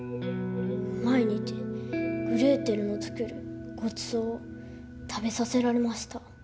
毎日グレーテルの作るごちそうを食べさせられました。